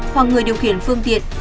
hoặc người điều khiển phương tiện